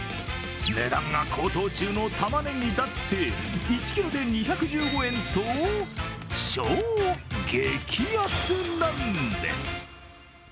値段が高騰中のたまねぎだって１ｋｇで２１５円と超激安なんです。